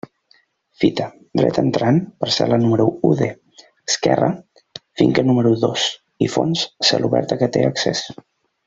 Fita: dreta entrant, parcel·la número u D; esquerra, finca número dos i fons, celobert a què té accés.